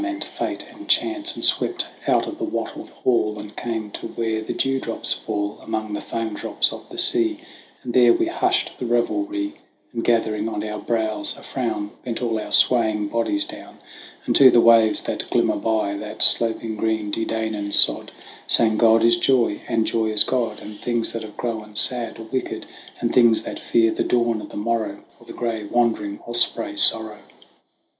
And in a wild and sudden dance We mocked at Time and Fate and Chance, And swept out of the wattled hall And came to where the dewdrops fall Among the foamdrops of the sea, 86 THE WANDERINGS OF OISIN And there we hushed the revelry ; And, gathering on our brows a frown, Bent all our swaying bodies down, And to the waves that glimmer by That slooping green De Danaan sod Sang, "God is joy and joy is God, And things that have grown sad are wicked, And things that fear the dawn of the morrow, Or the gray wandering osprey Sorrow."